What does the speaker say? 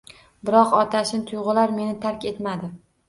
Biroq otashin tuyg‘ular meni tark etmadi